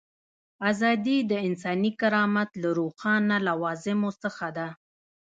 ازادي د انساني کرامت له روښانه لوازمو څخه ده.